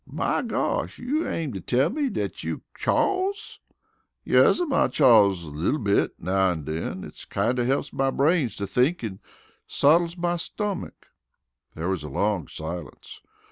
"My gawsh! You aim to tell me dat you chaws?" "Yes'm. I chaws a little bit now an' den. It kinder helps my brains to think an' sottles my stomick." There was a long silence.